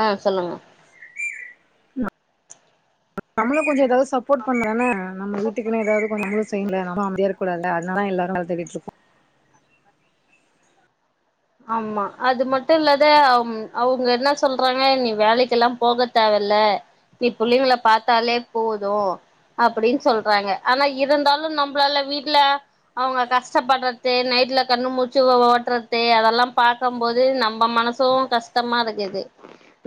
ஆ சொல்லுங்க நம்ளும் கொஞ்சோ ஏதாவது சப்போர்ட் பண்ணு தான நம்ம வீட்டுக்குனா ஏதாவது கொஞ்சோ நம்மளு செய்னுல அப்போ அமைதியா இருக் கூடாதுல்ல அதனால எல்லாரு வேல தேடிட்டு இருக்கோ ஆம்மா அது மட்டு இல்லாத அவங்க என்ன சொல்றாங்க நீ வேலைக்கெல்லா போக தேவ இல்ல நீ புள்ளைங்கள பாத்தாலே போதும் அப்டின்னு சொல்றாங்க ஆனா இருந்தாலு நம்மளால வீட்ல அவங்க கஷ்டப்படுறது நைட்ல கண்ணு முச்சி ஓட்டுறது அதெல் ல்லா பாக்கம் போது நம்ம மனசும் கஷ்டமா இருக்குது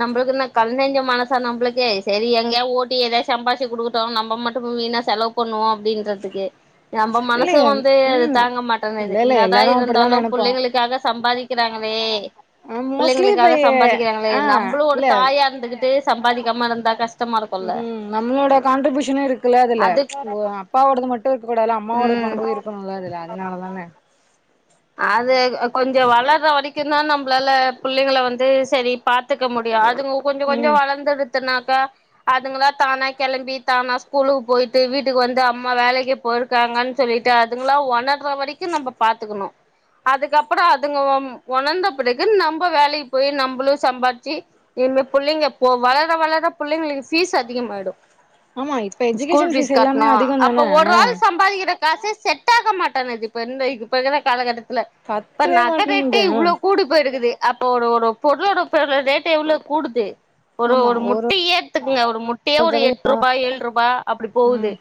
நம்புளுக்கு என்ன கல் நெஞ்ச மனசா நம்மளுக்கு சேரி எங்கயா ஓட்டி ஏதா சம்பாச்சி கொடுத் தோ நம்ம மட்டு இப்போ வீணா செலவு பண்ணுவோ அப்டின்றதுக்கு நம்ம மனசு இல்லையே வந்து இத ம் தாங்க மாட்டங்குது இல்ல இல்ல என்னதா எல்லாரு அப்டிதா இருந்தாலு நெனைப்போ புள்ளைகளுக்காக சம்பாதிக்கிறாங்களே ஆ மோஸ்ட்லி இப்ப புள்ளைங்களுக்காக சம்பாதிக்கிறாங்களே ஆ நம்மளு ஒரு இல்ல தாயா இருந்துகிட்டு சம்பாதிக்காம இருந்தா கஷ் ம் நம்மளோட கான்ட்ரிபியூஷனு இருக்குல்ல அதுல அது ஓ அப்பாவோடது மட்டு இருக்க கூடாது அம்மாவோட ம் பங்கு இருக்குன்னு அதுல அதனாலதான அது கொஞ்சோ வளற வரைக்குந்தா நம்மளால புள்ளைங்கள வந்து செரி பாத்துக்க முடியு அதுங்க கொஞ்சோ கொஞ்சோ ம் வளர்ந்துடுத்துனாக்க அதுங்களா தானா கிளம்பி தானா ஸ்கூலுக்கு போயிட்டு வீட்டுக்கு வந்து அம்மா வேலைக்கு போர் இருக்காங்கன்னு சொல்லிட்டு அதுங்கா ஒணர்ற வரைக்குநம்ம பாத்துக்கணு அதுக்கப்றோ அதுங்க ஒணந்த பிறகு நம்ம வேலைக்கு போயி நம்பளு சம்பாதிச்சு இனிமே புள்ளைங்க போ வளர வளர புள்ளைங்களுக்கு பீஸ் அதிகமாயிடு ஆமா இப்ப ஸ்கூல் எஜுகேஷன் பீஸ் ஃபீஸ் எல்லாமே கட்டணு அதிகோ அப்ப தானே ஒரு ஆள் சம்பாதிக்கிற காசே செட் ஆக மாட்டனுது இப்ப இருந்த இப்ப இருக்குற காலகட்டத்துல இப்ப பத்தவே நகரேட்ட மாட்டேங்குது இவ்ளோ கூடி போயிருக்குது அப்போ ஒரு ஒரு பொருளோ பொரு ரேட் எவ்ளோ கூடுது ஒரு ஒரு முட்டையே எடுத்துக்குங்க ஒரு முட்டையே ஒரு எட்டு ரூபா ஏழு ரூபா அப்படி போகுது ம்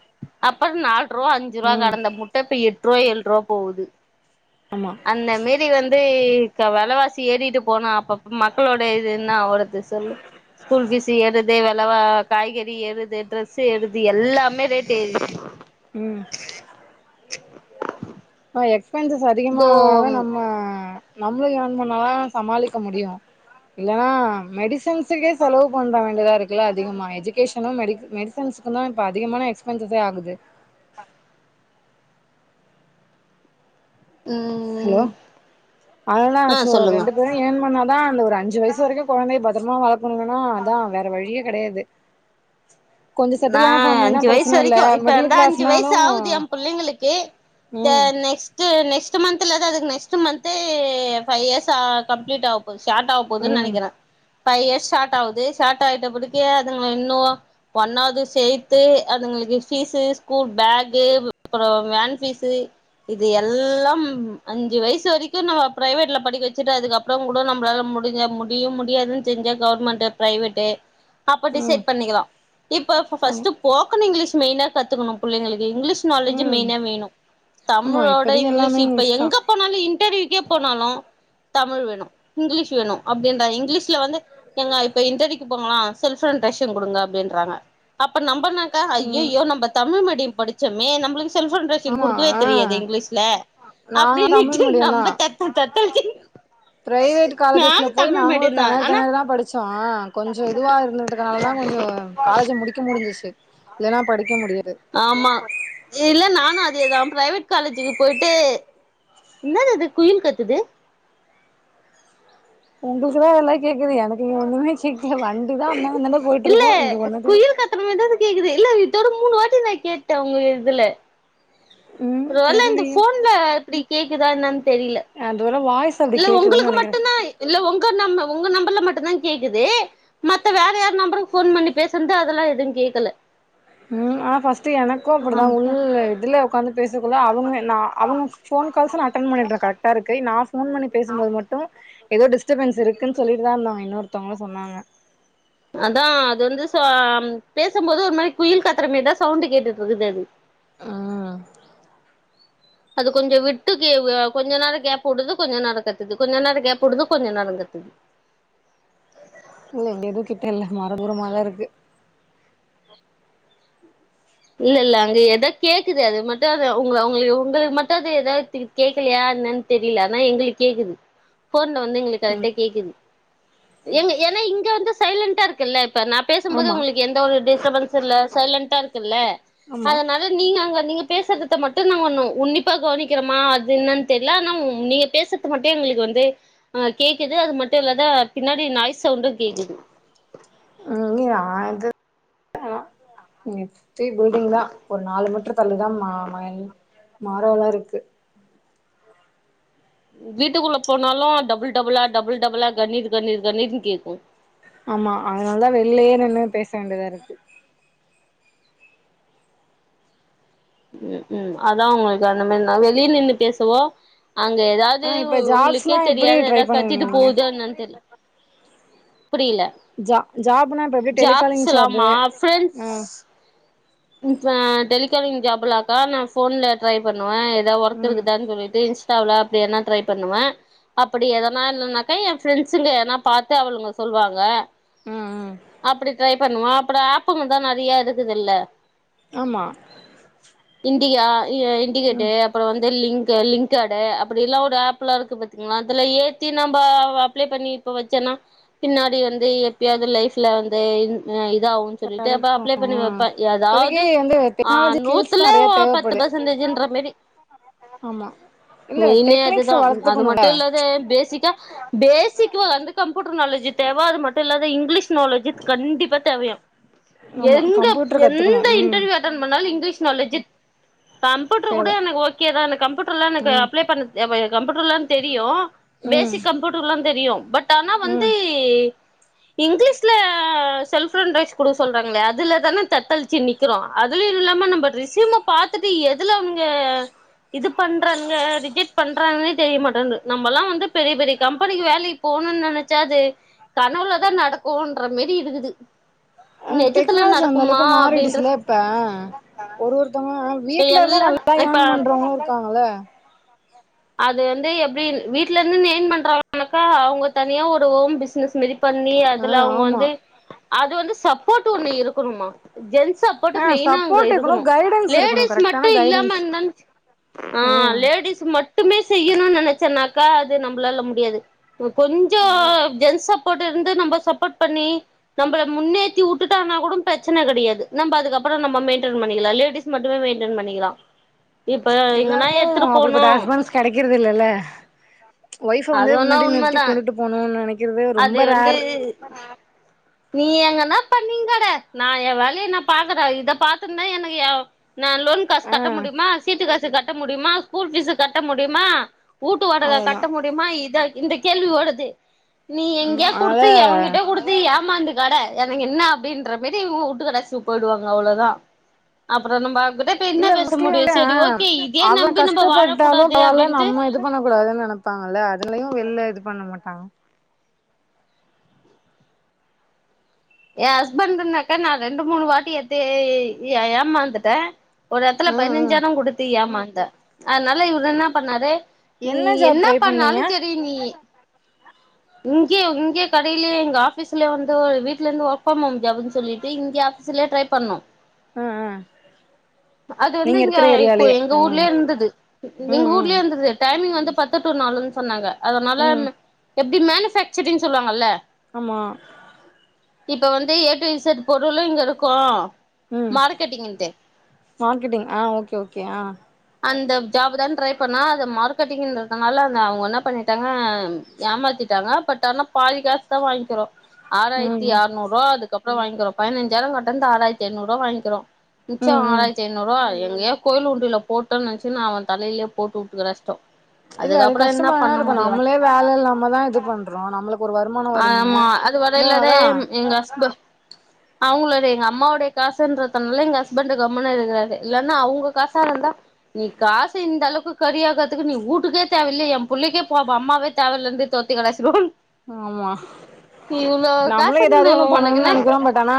அப்ற நாலு ரூபா அஞ்சு ரூபா கடந்த முட்டை இப்ப எட்டு ரூபா ஏழு ரூபா போகுது ஆமா அந்த மேறி வந்து வெலவாசி ஏறிட்டு போனா பப் மக்களோட இது என்னா ஆவறது சொல்லு ஸ்கூல் ஃபீஸ்ஸு ஏர்றதே விலவா காய்கறி ஏறுது ட்ரெஸ் ஏறுது எல்லாமே ரேட் எறி ம் மா எக்ஸ்பென்சஸ் தோ அதிகமாக ஆக நம்ம நம்மளளு ஏர்ன் பண்ணாதா சமாளிக்க முடியு இல்லன்னா மெடிசின்ஸ் [unintelligible] செலவு பண்ண வேண்டியதா இருக்கு இவ்ளோ அதிகமா எஜுகேஷனு மெடிசன்ஸ்கு தா இப்ப அதிகமான எக்ஸ்பென்சஸே ஆகுது ம் ஹலோ அதனா ஆ சோ சொல்லுங்க ரெண்டு பேரும் ஏர்ன் பண்ணாதா அந்த ஒரு அஞ்சு வயசு வரைக்கு குழந்தைய பத்திரமா வளர்த் சொல்லுங்கன்னா அதா வேற வழியே கெடையாது கொஞ்ச நா செட்டிலான ஃபேமிலினா அஞ்சு வயசு பிரச்சன இல்ல வரைக்கு இப்ப மிடில் இந்தா அஞ்சு கிளாஸ்னாலு வயசு ஆகுது ஏம் பிள்ளைங்களுக்கு த ம் நெக்ஸ்ட் ஸ்ட் நெஸ்ட் மந்த்ல்து அது next month five years complete ஆகு ஓ ஷார்ட் ஆக போகுதுன்னு ம் நினைக்றே ஃபைவ் இயர்ஸ் ஷார்ட் ஆகுது ஷார்ட் ஆட்ட படிக்கே அதுங்க இன்னு ஒண்ணாவது சேர்த்து அதுங்களுக்கு ஃபீஸ் ஸ்கூல் பேக்கு அப்றோ வேன் பீஸு இது எல்லாம் அஞ்சு வயசு வரைக்கு நம்ம பிரைவேட்ல படிக்க வச்சுட்டு அதுக்கப் ப்றோம் கூட நம்மளால முடிஞ்ச முடியும் முடியாதுன்னு செஞ்ச கவர்மெண்ட்டு பிரைவெட்டு அப்ப ம் டிசைட் பண்ணிக்கலா இப்போ ஆமா ஃபஸ்ட்டு போக்கன் இங்கிலீஷ் மெயினா கத்துக்கணு புள்ளைங்களுக்கு இங்கிலீஷ் நாலேஜு ம் மெய்னா வேணு ஆமா தமிழோட இப்பதைக்கு இங்கிலீஷ் எல்லாமே இப்ப தா எங்க போனாலு இன்டர்வியூக்கே போனாலு தமிழ் வேணு இங்கிலீஷ் வேணு அப்படின்றா இங்கிலீஷ்ல வந்து எங்க இப்ப இண்டர்வியூக்கு போங்கலா செல்ஃவ் இன்ட்ரெக்ஷ்ன் குடுங்க அப்படின்றாங்க அப்ப நம்பனா ம் ஐயய்யோ நம்ப தமிழ் மீடியம் படிச்சோமே நம்மளுக்கு செல்ஃபோன்ட்ரக்ஷன் ஆமா குடுக்கவே தெரியாதே ஆ இங்கிலீஷ்ல நாங்க தமிழ் அப்படின்னுட்டு நம்ம தத்து நா தத்தளிக்கின் ப்ரைவேட் காலேஜெஸ்ல் போய் நாங்களு மீடியந்தா தெணறி ஆனா தெணறி தா படுச்சோ கொஞ்சோ இதுவா இருந்துட்டனால தா கொஞ்சோ காலேஜ முடிக்க முடிஞ்சிச்சு இல்லன்னா படிக்க முடியாது ஆமா இல்ல நானு அதேதா ப்ரைவேட் காலேஜுக்கு போயிட்டு என்னாது அது குயில் கத்துது உங்களுக்கு தா எல்லா கேக்குது எனக்கு இங்க ஒண்ணுமே கேக்ல வண்டிதா அந்தான்ட அந்தான்ட போயிட்டேருக்கு இங்க ஒண்ணதையு கத்தறமாரிதா கேக்குது இல்ல இதோட மூணு வாட்டி நா கேட்டே உங்க இதுல ம் ஒரு வேல இந்த தெர்லயே போன்ல இப்டி கேக்குதா என்னான்னு தெரில அதோட வாய்ஸ் அப்டி இல்ல கேக்குதுன்னு உங்களுக்கு நெனைக்கிறே மட்டுந்தா. இல்ல உங்க நம்ம உங்க நம்பர்ல மட்டுந்தா கேக்குது மத்த வேற யார் நம்பருக்கு போன் பண்ணி பேசுனது அதெல்லா எதுவு கேக்கல உம் ஆனா பர்ஸ்ட் எனக்கும் ஆம் அப்டிதான் உள் இதுல ஒக்காந்து பேசுனதுல அவங்க நா அவங்க போன் கால்ஸ் நா அட்டன் பண்ணிட்ற கரெக்டாருக்கு நா ஃபோன் பண்ணி பேசும்போது மட்டும் ஏதோ டிஸ்ட்பன்ஸ் இருக்குன்னு சொல்லிட்டுதா இருந்தாங்க இன்னொருத்தவங்க சொன்னாங்க அதா அது வந்து ச பேசும்போது ஒரு மாதிரி குயில் கத்தறமேதா சவுண்டு கேட்டுட்டு இருக்குது அது அ அது கொஞ்சோ விட்டு கே கொஞ்ச நேரோ கேப் வுடுது கொஞ்சோ நேரோ கத்துது கொஞ்சோ நேரோ கேப் வுடுது கொஞ்ச நேரோ கத்துது இல்ல இங்க எதுவு கிட்ட இல்ல மர தூரமா தா இருக்கு இல்ல இல்ல அங்க எதோ கேக்குது அது மட்டு அது உங்க அவங்களுக்கு உங்களுக்கு மட்டு அது எதாவ்து கேக்கலயா என்னன்னு தெரில ஆனா எங்ளுக்கு கேக்குது ஃபோன்ல வந்து எங்ளுக்கு கரெக்டா ம் கேக்குது ஏங்க ஏனா இங்க வந்து சைலன்ட்டா இருக்குல்ல இப்ப நா பேசும்போது ஆமா உங்குளுக் எந்த ஒரு டிஸ்டபன்ஸு இல்ல சைலண்ட்டா இருக்குல்ல ஆமா அதனால நீங்க அங்க நீங்க பேசுறதத்த மட்டுந் தா வர்னு உன்னிப்பா கவனிக்கிறோமா அது என்னன் தெர்ல ஆனா உ நீங்க பேசுறது மட்டு எங்களுக்கு வந்து ஆஹ் கேக்குது அது மட்டு இல்லாத பின்னாடி நாய் சவுண்டு கேக்குது உ நா இது அ ஒத்த பில்டிங்தா ஒரு நாலு மீட்டர் தள்ளிதா நாமை மாறாவா இருக்கு வீட்டுக்குள்ள போனாலு டபுள் டபுளா டபுள் டபுளா கணீர் கணீர் கணீர்னு கேக்கு ஆமா அதனால தா வெள்லயே நின்னு பேச வேண்டியதா இருக்கு ம் ஹு அதா உங்களுக்கு அந்த மாரி நா வெளிய நின்னு பேசவா அங்க ஏதாவது ஆ இப்ப உங்களுக்கே ஜாப்ஸ்லா எப்டி தெரியாது ட்ரை ஏதாது பண்ணுவீங்க கத்திட்டு நீங்க போவுதா என்னானு தெர்ல புரியல ஜா ஜாப்னா இப்ப எப்டி டெலிகாலிங் ஜாபு ஜாப்ஸ்லாமா ஃபிரென்ட்ஸ் ம் ம் இப்ப டெலிகாலிங் ஜாப்லாக்கா நா ஃபோன்ல ட்ரை பண்ணுவ ஏதா ஒர்க் ம் இருக்குதான்னு சொல்லிட்டு டாவுல அப்டி என்ன ட்ரை பண்ணுவே அப்டி எதனா இல்லன்னாக்கா எ ஃப்ரெண்ட்ஸுங்க எதனா பாத்து அவளுங்க சொல்வாங்க ம் ம் அப்டி ட்ரை பண்ணுவா அப்புற ஆப்புங்க தா நெறைய இருக்குதுல்ல ஆமா இண்டிகா அ இண்டிகேட்டு அப்புற வந்து லிங்க்கு லிங்க்கேடு அப்டி எல்லா ஒரு ஆப்லா இருக்கு பாத்தீங்களா அதுல ஏத்தி நம்ப அப்ளை பண்ணி இப்ப வச்சன்னா பின்னாடி வந்து எப்பயாவ்து லைஃப்ல வந்து இந் அ இதாவுன் சொல்லிட்டு அப்ப கெடைக்கு அப்ளே பண்ணி வெப்பே இப்போதைக்கு எதாவது வந்து ஆ டெக்னாலஜி ஸ்கில்ஸ் நூத்துல தா நெறைய பத்து தேவப்படு பர்சன்டேஜ்ன்ற மேரி ஆமா இல்ல மெயினே டெக்னிக்ஸ் அதுதா அது மட்டு வளத்துக்கணுல இல்லாத பேசிக்கா பேசிக்வா வந்து கம்ப்யூட்டர் நாலேஜ் தேவ‌ அது மட்டு இல்லாத இங்கிலீஷ் நாலேஜு கண்டிப்பா தேவையா ஆமா எங்க கம்ப்யூட்ரு கத் எந்த இன்டர்வியூ அட்டன் பண்ணாலு இங்கிலீஷ் நாலேஜு கம்ப்யூட்ரு தேவ கூட எனக்கு ஓகே தா அந்த கம்ப்யூட்ருலா எனக்கு ம் அப்ளே பண்ண [inaudible] கம்ப்யூட்ருலா தெரியு ம் பேசிக் கம்யூட்டர்லா தெரியு பட் ஆனா வந்து ம் இங்கிலீஷ்ல செல்ஃப் இண்ட்ரைஸ் குடுக்க சொல்றாங்களே அதுல தான தத்தளிச்சு நிக்கிறோ அதுலயு இல்லாம நம்ம ரெஸ்யூம பாத்துட்டு எதுல அவுங்க இது பண்றாங்க ரிஜெக்ட் ன்ன பண்றாங்கன்னே தெரியமாட்டன்து நம்மல்லா வந்து பெரிய பெரிய கம்பெனிக்கு வேலைக்கு போணுன் நெனச்சா அது கனவுலதா நடக்குன்ற மேரி இருக்குது ஆ நெஜத்துல டெக்னாலஜி நடக்குமா அந்தளவுக்கு அப்டின்ற மாறிடுச்சுல இப்ப ஒரு ஒருத்தவங்க இப்ப வீட்லருந்து எல்லாரு நல்லா யேன் இப்ப பண்றவங்களு இருக்காங்கல்ல அது வந்து எப்டி வீட்ல இருந்துனு எயின் பண்றாங்கனாக்கா அவுங்க தனியா ஒரு ஓன் பிசினஸ் மாரி பண்ணி ஆ அதுல அவுங்க ஆமா வந்து அது வந்து சப்போர்ட் ஒண்ணு இருக்கணுமா ஜென்ஸ் சப் போட்டு ஆ மெய்னா அங்க சப்போர்ட் இருக்கணு கைடன்ஸ் இருக்கணு லேடிஸ் மட்டு கரெக்டான இல்லாம கைடன்ஸ் இருந்தான் ஆ ம் லேடீஸ் மட் மட்டுமே செய்யணுன் நெனச்சன்னாக்கா அது நம்பளால முடியாது கொஞ் ஆ ஜென்ஸ் சப்போர்ட் இருந்து நம்ப சப்போர்ட் பண்ணி நம்பள முன்னேத்தி உட்டுட்டானா கூட பிரச்சன கெடையாது நம்ப அதுக்கப்புறோ நம்ப மெயின்டெயின் பண்ணிக்கலா லேடிஸ் மட்டுமே மெயின்டேன் பண்ணிக்கலா இப்ப எங்கன்னா எல்லாருக்கு எடுத்துட்டு போனு அப்டிப்பட்ட ஹஸ்பண்ட்ஸ் கெடைக்கறது இல்லல ஒய்ஃப் அ அது வந்து வேணா முன்னாடி நிறுத்தி உண்மதா கொண்டுட்டு போனும்னு நெனக்கிறது அது ரொம்ப வந்து ரேர் நீ எங்கன்னா பண்ணீங்கட நா என் வேலய நா பாக்குறே இத பாத்துந்தா எனக்கு ஏ நா லோன் காசு ஆ கட்ட முடியுமா சீட்டு காசு கட்ட முடியுமா ஸ்கூல் ஃபீஸ் கட்ட முடியுமா வூட்டு வாடக அவ்ளோதா கட்ட முடியுமா இத இந்த கேள்வி‌ வோடுது நீ ஆமா எங்கயோ குடுத்து எவே அதனால கிட்டயோ குடுத் நீ ஏமாந்து கட எனக்கு என்ன அப்டின்ற மேரி உட்டு கடாசிட்டு போயிடுவாங்க அவ்ளோ தா அப்புறோ நம்ப அவங் கிட்ட இல்ல முஸ்லீம்மே அவே நம்பி நம்ம கஷ்டப்பட்டாலு வாழக்கூடாது பரவால்ல அப்டின்ட்டு நம்ம இது பண்ண கூடாதுன்னு நெனப்பாங்கல்ல அதுலயு வெள்ல இது பண்ண மாட்டாங்க ஏ ஹஸ்பண்ட்னாக்க நா ரெண்டு மூணு வாட்டி ஏத்தே ஏமாந்துட்டே ஒரு எட்த்துல ம் ம் பதினஞ்சாயிரம் குடுத்து ஏமாந்த அத்னால இவரு என்ன பண்ணாரு நீ ஜாப் என்ன ட்ரை பண்ணாலு பண்ணீங்க செரி நீ இங்யே இங்யே கடையிலே எங்க ஆஃபீஸ்லேயே வந்து ஒரு வீட் ல இருந்து ஒர்க் ஃப்ரம் ஹோம் ஜாப்னு சொல்லிட்டு இங்க ஆஃபீஸ்லேயே ட்ரை பண்ணோ ம் ம் அது வந்து நீங்க இங்க இருக்கிற கு ஏரியாலயே எங்க ஆ ஊர்லயே இருந்துது ம் எங்க ம் ஊர்லயே இருந்துது டைமிங் வந்து பத்து டு நாலுன்னு சொன்னாங்க அத்னால ம் எப் தீ மேனுஃபக்சரிங் சொல்லுவாங்கள்ல ஆமா இப்ப வந்து ஏ ட்டு இஜட் பொருளு இங்கருக்கு ம் மார்க்கட்டிங்ட்டு மார்க்கெட்டிங் ஆ ஓகே ஓகே ஆ அந்த ஜாபுதா ட்ரை பண்ணா அது மார்க்கெட்டிங் இருக்கனால அந்த அவுங்க என்ன பண்ணிட்டாங்க ஏமாத்திட்டாங்க பட் ஆனா பாதி‌ காாசு தா வாங்கிறோ ஆராயிரத்தி ம் அறுநூறுவா அதுக்கப்புறோ வாங்கிறோ பதினஞ்சாயிரோ கட்டந்து ஆயிரத்தி ஐநூறுவா வாங்கிறோ மிச்சோ ம் ம் ஆறாயி ரூவா எங்கயோ கோயில் உண்டில போட்டோன்னு நனைச்சுனு அவன் தலையிலயே போட்டு உட்டு கடாஷ்டோ இல்ல அது கஷ்டமாதன இருக்கு நம்மளே வேல இல்லாமதா இது பண்றோ நம்மளுக் ஆ ஆமா அது வர இல்லாட எங்க ஹஸ்ப அவுங்களோட எங்க அம்மாவுடைய காசுன்றதுனால எங்க ஹஸ்பண்ட் கம்முனு இருக்குறாரு இல்லன்னா அவுங்க காசா இருந்தா நீ காசு இந்த அளவுக்கு கறி ஆக்கறதுக்கு நீ ஊட்டுக்கே தேவயில்ல என் புள்ளைக்கே போ அம்மாவே தேவயில்லந்து தோர்தி கடாசிடுவோம் ஆமா காசு நம்மளு எதாவது என்ன ஒண்ணு பண்ணணுனு உனக்குன்னு நினைக்கிறோ பட் ஆனா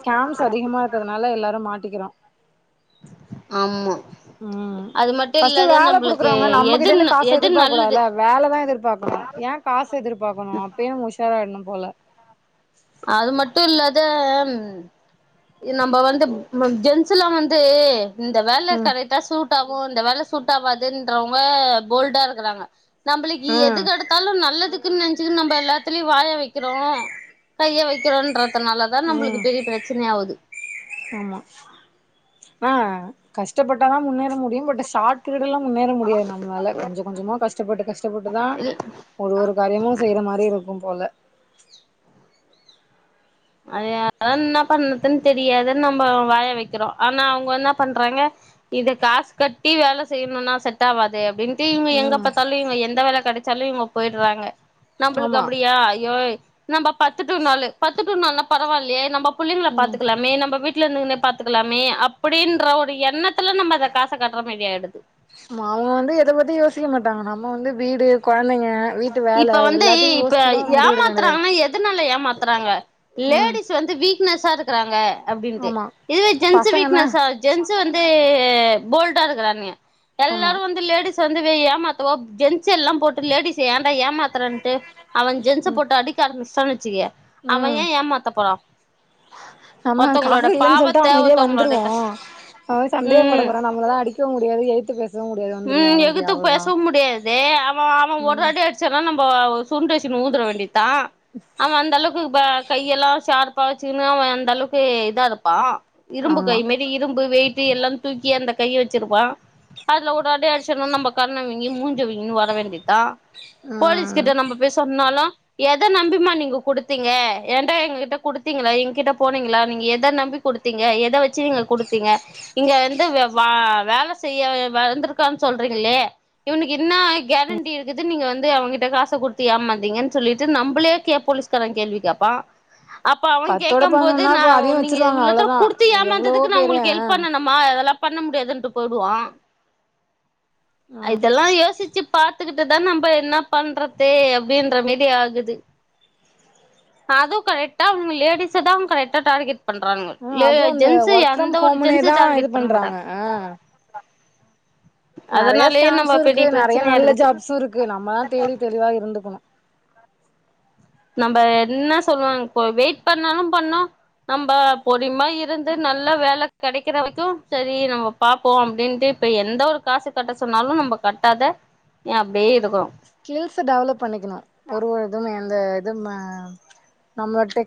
ஸ்கேம்ஸ் அதிகமா இருக்கிறதுனால எல்லாரு மாட்டிக்கிறோ ஆம்மா ம் அது மட்டு ஃபர்ஸ்ட் இல்லாத வேல நம்மளுக்கு குடுக்குறவங்க நம்மகிட்ட எது ந இருந்து காசு எது எதிர்பார்க்க நல்லது கூடாதுல வேலதா எதிர்பாக்கணு ஏன் காசு எதிர்பாக்கணு அப்பயே உஷாராயிடணு போல அது மட்டு இல்லாத இ நம்ம வந்து ஜென்ஸ்சுலா வந்து இந்த வேலை ம் கரெக்டா சூட் ஆகு இந்த வேலை சூட் ஆகாதுன்றவங்க போல்டா இருக்குறாங்க நம்மளுக்கு ஆ எது கெடுத்தாலு நல்லதுக்குன்னு நெனச்சுன்னு நம்ம எல்லாத்துலயு வாய வெக்கிறோ கைய வெக்கிறோன்றதுனாலதா நம்மளுக்கு ம் பெரிய பிரச்சனை ஆவுது ஆமா ஆ கஷ்டப்பட்டாதா முன்னேற முடியு பட் ஷார்ட் பீரீயட் எல்லா முன்னேற முடியாது நம்மளால கொஞ்சோ கொஞ்சோமா கஷ்டப்பட்டு கஷ்டப்பட்டுதா ஒரு ஒரு காரியமு செய்யுற மாரி இருக்கும் போல அது அதான் என்ன பண்ணறதுன்னு தெரியாத நம்ம வாய வைக்கிறோ ஆனா அவுங்க என்ன பண்றாங்க இத காசு கட்டி வேலை செய்யணுனா செட் ஆவாதே அப்டின்னு இவங்க எங்க ம் பாத்தாலு இவங்க எந்த வேலை கெடச்சாலு இவங்க போயிடுறாங்க நம்ளுக்கு ஆமா அப்டியா அய்யோ நம்ம பத்து டூ நாலு பத்து டூ நாலுனா பரவாயில்லையே நம்ம புள்ளைங்கள ம் பாத்துக்கலாமே நம்ம வீட் வீட்ல இருந்துங்குனே பாத்துக்கலாமே அப்டின்ற ஒரு எண்ணத்துல நம்ம அத காச கட்ற மாறி ஆயிடுது அவங்க வந்து எத பத்தி யோசிக்க மாட்டாங்க நம்ம வந்து வீடு கொழந்தைங்க வீட்டு வேல இப்ப வந்து எல்லாத்தையு இப்ப யோசி ச்சுதா முடிவெடுக்க வேண்டியதா இருக்கு ஏமாத்துறாங்கன்னா எதுனால ஏமாத்துறாங்க ம் லேடிஸ் வந்து வீக்னஸ்ஸா இருக்கிறாங்க அப்டின்ட்டு ஆமா இதுவே ஜென்ஸ் பசங்கன்னா வீக்னஸ்ஸா ஜென்ஸு வந்து போல்டா இருக்கிறாங்க ஆமா எல்லாரு வந்து லேடிஸ் வந்து ஏமாத்தவோ ஜென்ஸ் எல்லாம் போட்டு லேடிஸ்ஸ ஏன்டா ஏமாத் மாத்தறன்ட்டு அவன் ஜென்ஸ ம் போட்டு அடிக்க ஆரம்பிஸ்ட்டா வச்சுக்க அவன் ஏன் ஏமாத்த போறான் ஆமா காசு இல்லன்னு சொல்லிட்டு பாவத்த அமைதியே ஒருத்தவங்களோட வந்துருவோ கஷ்ட அவ சந்தேகப்பட ம் போறா நம்மளதா அடிக் க்க முடியாது எயித்து பேச ம் எகித்து பேசவும் முடியாது அவன் அவன் ஒரு ம் அடி அடிச் சனா நம்ம சுருண்டு அடிச்சு ஊந்துற வேண்டிதா அவன் அந்த அளவுக்கு பே கையெல்லா ஷார்ப்பா வச்சுக்குனு அந்த அளவுக்கு இதா இருப்பான் இரும்பு ஆமா கை மேறி இரும்பு வெயிட்டு எல்லா தூக்கி அந்த கைய வச்சிருப்பான் அதுல ஒரு அடி அடிச்சோன நம்ம கண்ணம் வீங்கி மூ வீங்கி வர வேண்டிதா போலீஸ் ம் கிட்ட நம்ம போய் சொன்னாலு எத நம்பிமா நீங்க குடுத்தீங்க ஏன்டா எங்க கிட்ட குடுத்தீங்களா என்கிட்ட போனீங்களா நீங்க எத நம்பி குடுத்தீங்க எத வச்சு நீங்க குடுத்தீங்க இங்க வந்து வா வேலை செய்ய வந்து க்கான் சொல்றீங்களே இவனுக்கு என்ன கேரண்டி இருக்குது நீங்க வந்து அவன் கிட்ட காச குடுத் குடுத்து ஏமாதீங்கன்னு சொல்லிட்டு நம்மளே கே போலீஸ்காரன் கேள்வி கேப்பான் அப்ப அவங்க பத்தோட கேட்க போது பதினொன்னா நா இப்ப அதையு நீங்க வச்சிருவாங்க இவளதா அவ்ளோதா குடுத்து எவ்ளவோ ஏமாந்ததுக்கு நா பேரு ஆ உங்களுக்கு ஹெல்ப் பண்ண ஆமா அதல்லாம் பண்ண முடியாதுன்ட்டு போயி்டுவான் ஆமா இதல்லாம் யோசிச்சி பாத்துக்கிட்டுதா நம்ம என்ன பண்றது அப்டின்ற மேறி ஆகுது அதுவும் கரக்டா அவங்க லேடீஸ்ஸ தா அவங்க கரெக்டா டார்கட் பண்றாங்க ஆ லே அதுவு அந்த ஜென்சு ஒர்க் எந்த ஃப்ரம் ஒரு ஜென்சு ஹோம்னேதா இது டார்கெட் பண்ண மாட்டா பண்றாங்க நறைய நம்ம ஸ்கோம்ஸும் இருக்கு பெரிய நறைய பிரச்சனையா நல்ல இருக்குது ஜாப்சும் இருக்கு நம்ம தான் தேடி தெளிவா இருந்துக்கணும் நம்ப என்ன சொல்லுவோம் வெயிட் பண்ணாலும் பண்ணோம் நம்ம பொரியமா இருந்து நல்ல வேல கெடைக்கற வரைக்கும் சரி நம் பாப்போம் அப்டின்ட்டு இப்ப எந்த ஒரு காசு கட்ட சொன்னாலும் நம்ம கட்டாத ஏ அப்டியே இருக்கரோ ஸ்கில்ஸ்ஸ டெவலப் பண்ணிக்கணும் ஒரு இது எந்த இது நம்ம